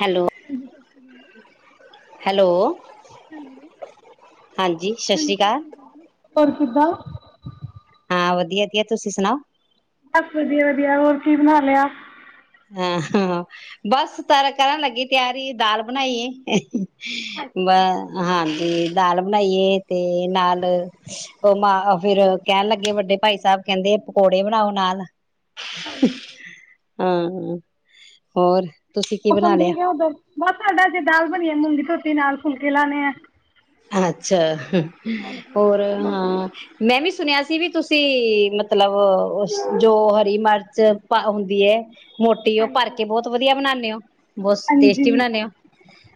Hello ਸੀ ਅਕਾਲ hello hello ਹ ਸਤਿ ਸ਼੍ਰੀ ਅਕਾਲ ਪਰ ਕਿੱਦਾਂ ਹਾਂ ਵਧੀਆ ਦੀੀਆ ਤੁਸੀਂ ਸੁਣਾਓ ਬਸ ਵਧੀਆ ਵਧੀਆ ਹੋਰ ਕੀ ਬਣਾ ਲਿਆ ਹਾਂ ਹਾਂ ਬਸ ਤ ਕਰਨ ਲੱਗੀ ਤਿਆਰੀ ਦਾਲ ਬਣਾਈਏ ਬ ਅੱਛਾ ਹਾਂਜੀ ਦਾਲ ਬਣਾਈਏ ਤੇ ਨਾਲ ਉਹ ਮ ਫਿਰ ਕਹਿਣ ਲੱਗੇ ਵੱਡੇ ਭਾਈ ਸਾਹਿਬ ਕਹਿੰਦੇ ਪਕੌੜੇ ਬਣਾਓ ਨਾਲ ਹਾਂ ਹਾਂ ਹੋਰ ਤੁਸੀਂ ਕੀ ਬਣਾ ਮੌਸਮ ਲਿਆ ਠੀਕ ਹੈ ਉਧਰ ਬਹੁਤ ਜ਼ਦਾ ਜੇ ਦਾਲ ਬਣੀਏ ਮੁੰਡੀ ਤੋਂ ਤੀ ਨਾਲ ਫੁਲਕੇ ਲਾਉਣੇ ਆ ਅੱਛਾ ਹਾਂਜੀ ਹੋਰ ਹਾਂ ਮੈਂ ਵੀ ਸੁਣਿਆ ਸੀ ਵੀ ਤੁਸੀਂ ਮਤਲਬ ਜੋ ਹਰੀ ਮਿਰਚ ਹੁੰਦੀ ਹੈ ਮੋਟੀ ਉਹ ਭਰ ਹਾਂਜੀ ਕੇ ਬਹੁਤ ਵਧੀਆ ਬਣਾਉਂ [inaudible] ਬਹੁਤ ਟੇਸਟੀ ਹਾਂਜੀ ਬਣਾਦੇ ਹੋ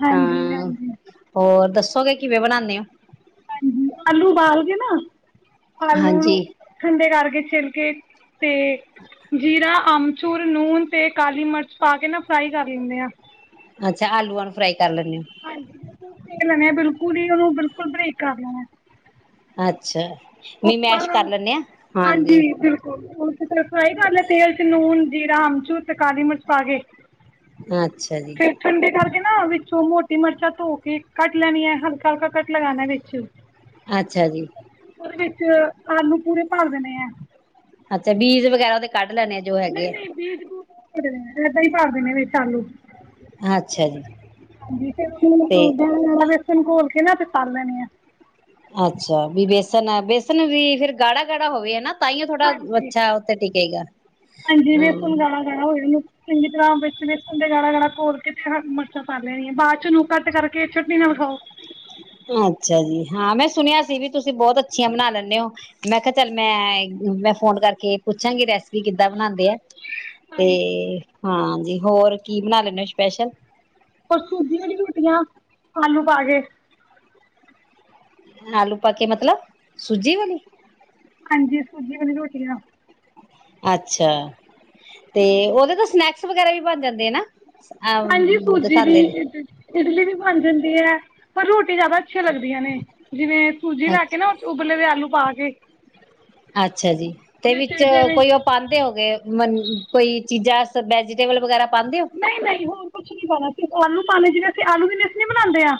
ਹਾਂਜੀ ਹਾਂ ਹਾਂਜੀ ਹੋਰ ਦੱਸੋਗੇ ਕਿਵੇਂ ਬਣਾਉਂਦੇ ਹੋ ਹਾਂਜੀ ਆਲੂ ਉਬਾਲ ਗ ਨਾ ਆਲੂ ਹਾਂਜੀ ਨੂੰ ਠੰਡੇ ਕਰਕੇ ਛਿਲਕੇ ਤੇ ਜੀਰਾ ਆਮਚੂਰ ਲੂਣ ਤੇ ਕਾਲੀ ਮਿਰਚ ਪਾ ਕੇ ਨਾ ਫਰਾਈ ਕਰ ਲੈਂਦੇ ਹਾਂ ਅੱਛਾ ਅੱਲੂਆ ਨੂੰ ਫਰਾਾਈ ਕਰ ਲੈਣੇ ਬਿਲੁਲ ਸੇਖ ਲੈਣੇ ਆ ਬਿਲਕੁਲ ਹੀ ਉਹਨੂੰ ਬਿਲਕੁਲ ਬਰੇਕ ਕਰ ਲੈਣਾ ਅੱਛਾ ਉਸ ਵੀ ਤੋਂ ਬਾਅਦ ਮੈਸ਼ ਕਰ ਲੈੇ ਆ ਹਾਂਜੀ ਉਥ ਫਾਈ ਕਰਨਾ ਤੇਲ ਚ ਨੂਨ ਜੀਰਾ ਹਮਚੂ ਤੇ ਕਾਲੀ ਮਚ ਪਾਗੇ ਅੱਛਾ ਜੀ ਫਿਰ ਠੰਡੇ ਕਰਕੇ ਨਾ ਵਿੱਚੋਂ ਮੋ ਟੀ ਮਿਰਚਾਂ ਧੋ ਕੇ ਕੱਟ ਲੈਣੀੀਆਂ ਹਲਕਾ ਹਲਕਾ ਕੱਟ ਲਗਾਣਾ ਵਿੱਚ ਅੱਛਾ ਜੀ ਉਹਦੇ ਵਿੱਚ ਆਲੂ ਪੂਰੇ ਭਰ ਦੇਣੇ ਹੈ ਅੱਛਾ ਬੀਜ ਵਗੈਰਾ ਕੱਢ ਲੈਣੇ ਆ ਜੋ ਨਹੀਂ ਹੈਗੇ ਆ ਨਹੀਂ ਬੀਜ ਬੂਜ ਨਹੀਂ ਇੱਦਾਂ ਹੀ ਪਾ ਦੇਣੇ ਨੇ ਆਲੂ ਆ ਅੱਛਾ ਜੀ ਹਾਂਜੀ ਤੇ ਦਸ਼ਨ ਕੋਲ ਕਿਨਾਂ ਤੇ ਪ ਲੈਣੀ ਆ ਅੱਛਾ ਵੀ ਬੇਸਨ ਬੇਸਨ ਵੀ ਫੇਿਰ ਗਾੜਾ ਗਾੜਾ ਹੋਵੇ ਨਾ ਤਾਂਾਈਓ ਥੋੜਾ ਹਾਂਜੀ ਅੱਛਾ ਉੱਥੇ ਟਕੇਗਾ ਹਾਂਜੀ ਵੀ ਹੁਣ ਗਾਣਾ ਗਾਣਾ ਹੋਏ ਉਹਨ ਚੰਗੀ ਤਰ੍ਹਾਂ ਵਿੱਚੇਸ ਤੇ ਗਾਲਾਾ ਗਾਲਾਾ ਘੋਲ ਕੇ ਤੇ ਮਿਰਚਾਂ ਪਾ ਲੈਣੀਆਂ ਬਾਦ ਚ ਨੂੰ ਕੱਟ ਕਰਕੇ ਚਟ ਨਾਲ ਖਾਓ ਅੱਛਾ ਜੀ ਹਾਂ ਮੈਂ ਸੁਣਿਆ ਸੀ ਵੀ ਤੁਸੀਂ ਬਹੁਤ ਅੱ ਅੱਛੀਆਂ ਬਣਾ ਲੈਂਦੇ ਹੋ ਮੈਂ ਕਿਹਾ ਚੱਲ ਮੈਂ ਮੈਂ ਫੋਨ ਕਰਕੇ ਪੁੱਛਾਂਗੀ ਰੈਸਪੀ ਕਿੱਦਾਂ ਬਣਾਉਂਦੇ ਆ ਤੇ ਹਾਂ ਹੋਰ ਕੀ ਬਣਾ ਲੈਦੇ ਹੋ ਸਪੈਸ਼ਲ ਹੋਰ ਸੂਜੀ ਵਾਲੀ ਰੋਟੀਆਂ ਆਲੂ ਪਾ ਕੇ ਆਲੂ ਪਾ ਕੇ ਮਤਲਬ ਸੂਜੀ ਵਾਲੀ ਹਾਂਜੀ ਸੂਜੀ ਵਾਲ ਰਟੀੀਆਂ ਅੱਛਾ ਤੇ ਉਹਦੇ ਤਾਂ ਸਨੈਕਸ ਵਗੈਰਾ ਵੀ ਬਣ ਜਾਂਦੇ ਐ ਨਾ ਅ ਹਾਂਜੀ ਸੂਜੀ ਦੀ ਦਿਖਾਉਂਦੇ ਨੇ ਇਡਲੀ ਵੀ ਬਣ ਜਾਂਦੀ ਹੈ ਪਰ ਰੋਟੀ ਜ਼ਿਆਦਾ ਅੱਛੀਆਂ ਲੱਗਦੀਆਂ ਨੇ ਜਿਵੇਂ ਸੂਜੀ ਲਾ ਅੱਛਾ ਕੇ ਨਾ ਉਬਲੇ ਦੇ ਆਲੂ ਪਾ ਕੇ ਜੀ ਅੱਛਾ ਜੀ ਤੇ ਵਿੱਚ ਜਿਵੇਂ ਕੋਈ ਉਹ ਪਾਂਦੇ ਹੋ ਗਏ ਕੋਈ ਚੀਜ਼ਾਂ ਵੈਜੀਟੇਬਲ ਵਗੈਰਾ ਪਾਉਂਦੇ ਹੋ? ਨਹੀਂ ਨਹੀਂ ਹੋਰ ਕੁਛ ਨੀ ਪਾਣਾ ਸਿਰਫ ਔ ਆਲੂ ਪਾਵੇਂ ਜਿਵੇਂ ਅਸੀਂ ਆਲੂ ਦੀ ਮਿਸ ਨੀ ਬਣਾਉਦੇਾਂ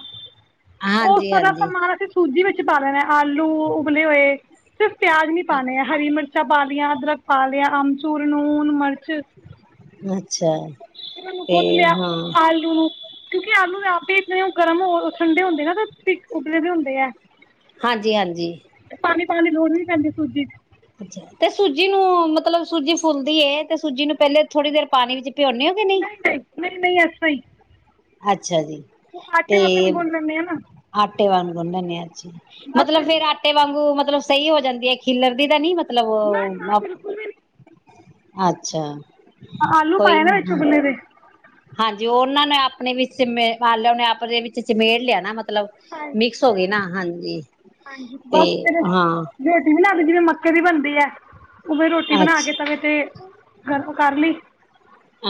ਔ ਹਾਂਜੀ ਸਾਰਾ ਹਾਂਜੀ। ਸਮਾਨ ਅਸੀਂ ਸੂਜੀ ਵਿੱਚ ਪਾ ਲੈਣਾ ਆਲੂ ਉਬਲੇ ਹੋਏ ਪਿਆਜ ਨੀ ਪਾਣੇ ਆ ਹਰੀ ਮਿਰਚ ਮਿਰਚਾਂ ਪਾ ਲਿਆਂ ਅਦਰਕ ਪਾ ਲਿਆ ਅਮਚੂਰ ਲੂਣ ਮਿਰਚ ਅੱਛਾ ਫਿਰ ਊਨੂੰ ਤੇ ਗੁਦ ਲਿਆ ਹਾਂ ਆਲੂ ਨੂੰ ਕਿਉਂਕਿ ਆਲੂ ਦੇ ਆਪੇ ਇਤਨ ਗਰਮ ਹੋ ਠੰਡੇ ਹੁੰਦੇ ਨਾ ਤੇ ਉਬਲੇ ਵੀ ਹੁੰਦੇ ਆ ਹਾਂਜੀ ਹਾਂਜੀ ਤੇ ਪਾਣੀ ਲੋੜ ਵੀ ਪੈਂਦੇ ਸੂਜੀ ਚ ਤੇ ਸੂਜੀ ਨੂੰ ਮਤਲਬ ਸੂਜੀ ਫੁੱਲਦੀ ਹੈ ਤੇ ਸੂਜੀ ਨੂੰ ਪਹਿਲੇ ਥੋੜ੍ਹੀ ਦੇਰ ਪਾਣੀ ਵਿੱਚ ਭਿਉਂਨੇ ਹੋ ਕਿ ਨਹੀਂ ਨਹੀਂ ਨਹੀਂ ਨਹੀਂ ਐਸ ਤਰਹ ਹੀ ਹਾਂਜੀ ਅੱਛਾ ਜੀ ਉਹ ਆਟੇ ਤੇ ਵਾਕਣ ਗੁੰਨ ਲੈਂਦੇ ਆ ਨਾ ਆਟੇ ਵਾਂਗ ਗੁਨ ਲੈਨੇ ਆਂ ਬਸ ਮਤਲਬ ਫਿਰ ਫੇਰ ਜਿਵੇਂ ਆਟੇ ਵਾਂਗੂ ਮਤਲਬ ਸਹੀ ਹੋ ਜਾਂਦੀ ਹੈ ਖਿਲਰਦੀ ਤਾਂ ਨਹੀਂ ਅਲ ਨਾ ਉਹ ਨਾ ਮ ਬਿਲਕੁਲ ਵੀ [inaudible] ਅੱਛਾ ਆਲੂ ਕੋਈ ਪਾਏ ਨਾ ਨੀ ਵਿੱਚੋਂ ਹਾਂ। ਉਬਲੇ ਦੇ ਹਾਂਜੀ ਉਹਨਾਂ ਨੇ ਆਪਣੇ ਵਿੱਚੇ ਮੰਨ ਲਓ ਨੇ ਉਹਨੇ ਆਪਣੇ ਵਿੱਚ ਚਮੇੜ ਲਿਆ ਨਾ ਮਲਬ ਮਤਲਬ ਮਿਕਸ ਹੋ ਗਏ ਨਾ ਹਾਂਜੀ ਤੇ ਬਸ ਫਿਰ ਹਾਂ ਰੋਟੀ ਬਣਾ ਜਿਵੇਂ ਮੱਕੇ ਦੀ ਬਣਦੀ ਹੈ ਉਵੇ ਰੋਟੀ ਬਣਾ ਕੇ ਅੱਛਾ ਤਵੇ ਤੇ ਗਰਮ ਕਰ ਲੀ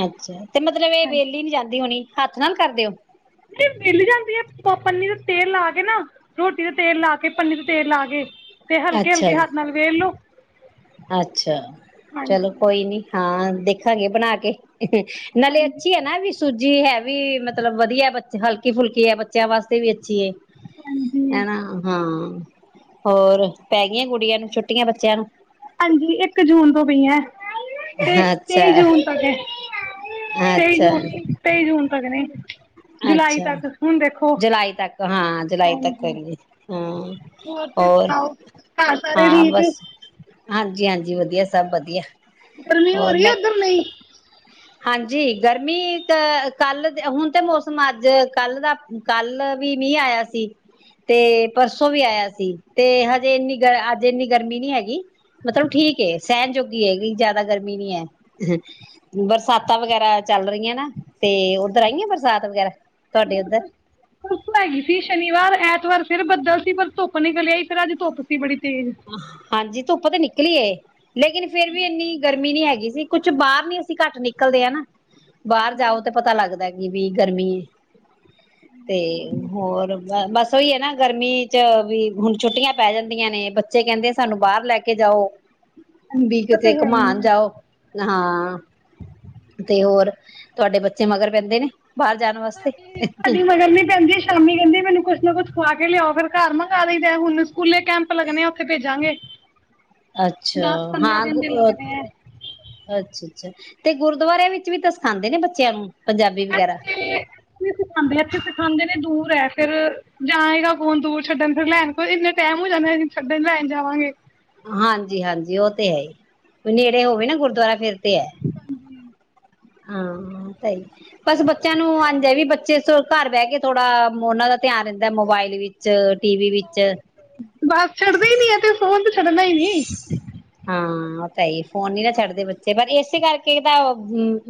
ਅੱਛਾ ਤੇ ਮਤਲਬ ਇਹ ਵੇਲੀ ਨੀ ਜਾਂਦੀ ਹੋਣੀ ਹੱਥ ਨਾਲ ਕਰਦੇ ਓ ਨਹੀਂ ਮਿਲ ਜਾਂਦੀ ਹੈ ਪੰਨੀ ਦਾ ਤੇਲ ਲਾ ਕੇ ਨਾ ਰੋਟੀ ਦਾ ਤੇਲ ਲਾ ਕੇ ਪੰਨੀ ਦਾ ਤੇਲ ਲਾ ਕੇ ਤੇ ਹਲਕੇ ਅੱਛਾ ਹਲਕੇ ਜੀ ਹੱਥ ਨਾਲ ਵੇਲ ਲੋ ਅੱਛਾ ਚਲੋ ਕੋਈ ਨੀ ਹਾਂ ਦੇਖਾਂਗੇ ਬਣਾ ਕੇ ਨਾਲੇ ਅੱਛੀ ਆ ਨਾ ਵੀ ਸੂਜੀ ਹੈ ਵੀ ਮਤਲਬ ਵਧੀਆ ਬੱਚ ਹਲਕੀ ਫੁਲਕੀ ਹੈ ਬੱਚਿਆਂ ਵਾਸਤੇ ਵੀ ਅੱਛੀ ਹੈ ਹੈਨਾ ਹਾਂ ਹੋਰ ਪੈ ਗਈਆਂ ਕੁੜੀਆਂ ਨੂੰ ਛੁੱਟੀਆਂ ਬੱਚਿਆਂ ਨੂੰ ਹਾਂਜੀ ਇੱਕ ਜੂਨ ਤੋਂ ਪਈਆਂ ਤੇ ਅੱਛਾ ਤੇਈ ਜੂਨ ਤੱਕ ਹੈ [inaudible] ਤੇਈ ਅੱਛਾ ਜੂਨ ਤੇਈ ਜੂਨ ਤੱਕ ਨੇ ਜੁਲਾਈ ਅੱਛਾ ਤੱਕ ਹੁਣ ਦੇਖੋ ਜੁਲਾਈ ਤੱਕ ਹਾਂ ਜੁਲਾਈ ਤੱਕ ਹਾਂਜੀ ਹਾਂਜੀ ਹਾਂ ਹੋਰ ਤੁਸੀ ਸੁਣਾਓ ਘਰ ਸਾਰੇ ਹਾਂ ਠੀਕ ਬਸ ਹਾਂਜੀ ਹਾਂਜੀ ਵਧੀਆ ਸਭ ਵਧੀਆ ਗਰਮੀ ਹੋ ਹੋਰ ਰਹੀ ਹੈ ਮੈਂ ਉਧਰ ਨਹੀਂ ਹਾਂਜੀ ਗਰਮੀ ਅ ਕੱਲ ਹੁਣ ਤੇ ਮੌਸਮ ਅੱਜ ਕੱਲ ਦਾ ਕੱਲ ਵੀ ਮੀ ਆਇਆ ਸੀ ਤੇ ਪਰਸੋਂ ਵੀ ਆਇਆ ਸੀ ਤੇ ਹਜੇ ਇੰਨੀ ਗ ਅੱਜ ਇੰਨੀ ਗਰਮੀ ਨੀ ਹੈਗੀ ਮਤਲਬ ਠੀਕ ਏ ਸਹਿਣ ਜੋਗੀ ਹੈਗੀ ਜਿਆਦਾ ਗਰਮੀ ਨੀ ਹੈ ਬਰਸ ਸਾਤਾਂ ਵਗੈਰਾ ਚੱਲ ਰਹੀਆਂ ਨਾ ਤੇ ਉੱਧਰ ਆਈ ਆ ਬਰਸਾਤ ਵਗੈਰਾ ਤੁਹਾਡੇ ਉੱਧਰ ਪਰਸੋਂ ਹੈਗੀ ਸੀ ਸ਼ਨੀਵਾਰ ਐਤਵਾਰ ਫਿਰ ਬਦਲ ਸੀ ਪਰ ਧੁੱਪ ਨਿਕਲ ਆਈ ਫਿਰ ਅੱਜ ਧੁੱਪ ਸੀ ਬੜੀ ਤੇਜ਼ ਹਾਂਜੀ ਧੁੱਪ ਤੇ ਨਿਕਲ ਨਿਕਲੀ ਏ ਲੇਕਿਨ ਫੇਰ ਵੀ ਇੰਨੀ ਗਰਮੀ ਨਹੀਂ ਹੈਗੀ ਸੀ ਕੁੱਛ ਬਾਹਰ ਨੀ ਅਸੀਂ ਘੱਟ ਨਿਕਲਦੇ ਹ ਨਾ ਬਾਹਰ ਜਾਓ ਤੇ ਪਤਾ ਲੱਗਦਾ ਕੀ ਵੀ ਗਰਮੀ ਤੇ ਹੋਰ ਬਸ ਓਹੀ ਹੈ ਨਾ ਹੈ ਨਾ ਗਰਮੀ ਚ ਵੀ ਹੁਣ ਛੁੱਟੀਆਂ ਪੈ ਜਾਂਦੀਆਂ ਨੇ ਬੱਚੇ ਬੱਚੇ ਕਹਿੰਦੇ ਸਾਨੂੰ ਬਾਹਰ ਲੈ ਕੇ ਜਾਓ ਵੀ ਤੇ ਕਿਤੇ ਹੈ ਹੀ ਘੁਮਾਨ ਹੈ ਜਾਓ ਹਾਂ ਤੇ ਹੋਰ ਤੁਹਾਡੇ ਬੱਚੇ ਮਗਰ ਪੈਂਦੇ ਨੇ ਬਾਹਰ ਜਾਣ ਵਾਸਤੇ ਸਾਡੇ ਮਗਰ ਨੀ ਪੈਂਦੀ ਸ਼ਾਮੀ ਕਹਿੰਦੀ ਮੈਨੂੰ ਕੁੱਛ ਨਾ ਕੁਛ ਖਵਾ ਕੇ ਲਿਆਓ ਫਰ ਘਰ ਮੰਗਵਾ ਲਈ ਦੇ ਹੁਣ ਸਕੂਲੇ ਕੈਂਪ ਲੱਗਣੇ ਆ ਉੱਥੇ ਭੇਜਾਂਗੇ ਅੱਛਾ ਦਸ ਪੰਦਰਾਂ ਹਾਂ ਦਿਨ ਦੇ ਲੱਗਣੇ ਆ ਅੱਛਾ ਤੇ ਗੁਰਦੁਆਰਿਆਂ ਵਿੱਚ ਵੀ ਤਾਂ ਸਖਾਦੇ ਨੇ ਬੱਚਿਆਂ ਨੂੰ ਪੰਜਾਬੀ [inaudible] ਵਗੈਰਾ ਸਿਖਾਦੇ ਇਥੇ ਸਿਖਾਾਂਦੇ ਨੇ ਦੂਰ ਹੈ ਫਿਰ ਜਾਏਗਾ ਫੋਨ ਦੂਰ ਛੱਡਣ ਫਿਰ ਲੈਣ ਇੰਨੇ ਟਾਈਮ ਹੋ ਜਾਂਦੇ ਅਸੀ ਛੱਡਣ ਲੈਣ ਜਾਵਾਂਗੇ। ਹਾਂਜੀ -ਹਾਂਜੀ ਉਹ ਤੇ ਹੈ ਹੀ। ਨੇੜੇ ਹੋਵੇ ਨਾ ਗੁਰਦੁਆਰਾ ਫਿਰ ਤੇ ਹੈ। ਹਾਂ ਸਹੀ ਬਸ ਬੱਚਿਆਂ ਨੂੰ ਅੰਜ ਵੀ ਬੱਚੇ ਘਰ ਬਹਿ ਕੇ ਥੋੜਾ ਉਹਨਾਂ ਦਾ ਧਿਆਨ ਰਹਿੰਦਾ ਮੋਬਾਇਲ ਵਿੱਚ ਟੀ ਵੀ ਵਿੱਚ [inaudible] ਬੱਸ ਛੱਡਦੇ ਹੀ ਨੀ ਹੈ ਤੇ ਸੋਚ ਛੱਡਨਾ ਹੀ ਨੀ ਹਾਂ ਉਹ ਤਾਂ ਫੋਨ ਨੀ ਨਾ ਛੱਡਦੇ ਬੱਚੇ ਪਰ ਇਸੇ ਕਰਕੇ ਤਾਂ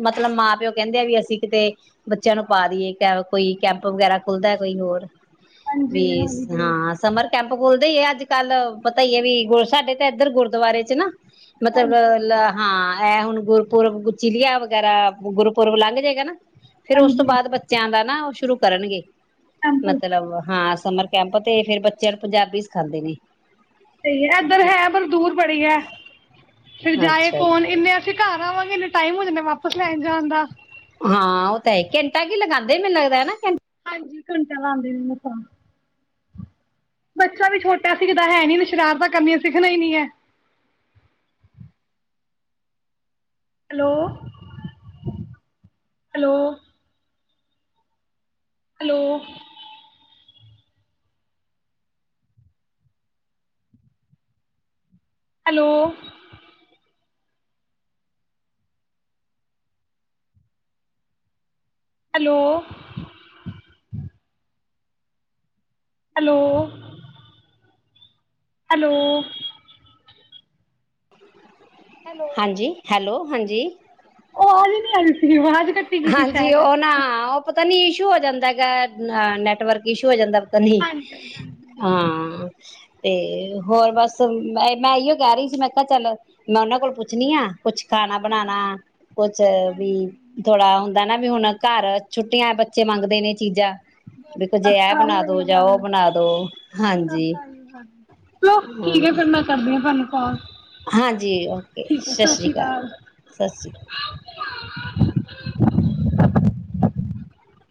ਮਤਲਬ ਮਾਂ ਪਿਓ ਕਹਿੰਦੇ ਆ ਵੀ ਅਸੀਂ ਕਿਤੇ ਬੱਚਿਆਂ ਨੂੰ ਪਾ ਦੇਈਏ ਕੋਈ ਕੈਂਪ ਵਗੈਰਾ ਖੁੱਲਦਾ ਕੋਈ ਹੋਰ ਵੀ ਹਾਂ ਸਮਰ ਕੈਂਪ ਖੋਲਦੇ ਹੀ ਆ। ਅੱਜ ਕੱਲ ਪਤਾ ਹੀ ਹੈ ਵੀ ਗੋਲ ਸਾਡੇ ਤਾਂ ਇੱਧਰ ਗੁਰਦੁਆਰੇ 'ਚ ਨਾ ਮਤਲਬ ਲ ਹਾਂ। ਇਹ ਹੁਣ ਗੁਰਪੁਰਬ ਚੀਲੀਆ ਵਗੈਰਾ ਗੁਰਪੁਰਬ ਲੰਘ ਜਾਏਗਾ ਨਾ ਫਿਰ ਉਸ ਤੋਂ ਹਾਂਜੀ ਬਾਅਦ ਬੱਚਿਆਂ ਦਾ ਨਾ ਉਹ ਸ਼ੁਰੂ ਕਰਨਗੇ ਟੈਂਪਲ ਮਤਲਬ ਹਾਂ ਸਮਰ ਕੈਂਪ ਤੇ ਫਿਰ ਬੱਚਿਆਂ ਨੂੰ ਪੰਜਾਬੀ ਸਿਖਾਂਦੇ ਨੇ ਸਹੀ ਹੈ ਇੱਧਰ ਹੈ ਪਰ ਦੂਰ ਬੜੀ ਹੈ ਫਿਰ ਜਾਏ ਅੱਛਾ ਜੀ ਕੌਣ ਇੰਨੇ ਅਸੀਂ ਘਰ ਆਵਾਂਗੇ ਟਾਈਮ ਹੋਜਾ ਨੇ ਵਾਪਸ ਲੈਣ ਜਾਣ ਦਾ ਹਾਂ ਉਹ ਤਾਂ ਹੈ ਘੰਟਾ ਕੀ ਲਗਾਉਂਦੇ ਮੈਨੂੰ ਲੱਗਦਾ ਹੈ ਘਟਾ ਹ ਘੰਟਾ ਲਾਉਂਦੇ ਨੇ ਮ ਆਪਾਂ ਬੱਚਾ ਵੀ ਛੋਟਾ ਸਿਖਦਾ ਹੈ ਨੀ ਸ਼ਰਾਰਤਾਂ ਕੀਆਂ ਸਿੱਖਣਾ ਹੀ ਨੀ ਹੈ hello hello hello hello hello. Hello. Hello. ਹਾਂਜੀ, ਹੈਲੋ। ਹਾਂਜੀ ਔ ਆਵਾਜ ਨਹੀਂ ਆ ਰਹੀ ਸੀ ਆਵਾਜ਼ ਕੱਟੀ ਗਈ ਸੀ ਹਾਂਜੀ ਸ਼ਾਇਦ ਔ ਨਾ ਉਹ ਪਤਾ ਨੀ ਇਸ਼ੂ ਹੋ ਜਾਂਦਾ ਹੈਗਾ ਨੈਟਵਰਕ ਇਸ਼ੂ ਹੋ ਜਾਂਦਾ। ਤਾਂ ਨੀ ਹਾਂ ਤੇ ਹੋਰ ਬਸ ਮ ਮੈਂ ਇਓ ਕਹਿ ਰਹੀ ਸੀ ਮੈਂ ਕਿਹਾ ਚੱਲ ਮੈਂ ਉਹਨਾਂ ਕੋਲ ਪੁੱਛਣੀ ਆ ਕੁਛ ਖਾਣਾ ਬਣਾਣਾ ਕੁਛ ਵੀ ਹੁੰਦਾ ਨਾ ਵੀ ਹੁਣ ਘਰ ਛੁੱਟੀਆਂ ਬੱਚੇ ਮੰਗਦੇ ਨੇ ਚੀਜ਼ਾਂ [inaudible] ਵੀ ਕੁਝ ਇਹ ਬਣਾ ਦੋ ਜਾਂ ਉਹ ਬਣਾ ਦੋ ਹਾਂਜੀ ਚਲੋ ਠੀਕ ਹਮ ਹ ਮੈਂ ਕਰਦੀ ਆਂ ਫਿਰ ਤੁਹਾਨੂੰ। [unintelligible] ਹਾਂਜੀ ਔਕੇ ਠੀਕ ਹੈ ਸਤਿ ਸ੍ਰੀ ਸ਼੍ਰੀ ਅਕਾਲ, ਸਤਿ ਸ੍ਰੀ ਅਕਾਲ। [unintelligible]